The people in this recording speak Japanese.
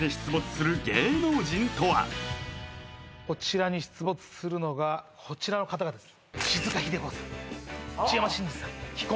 こちらに出没するのがこちらの方々です